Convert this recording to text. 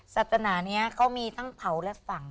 ศาสนานี้เขามีทั้งเผาและฝั่ง